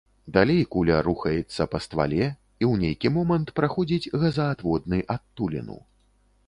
Далей куля рухаецца па ствале і, у нейкі момант, праходзіць газаадводны адтуліну.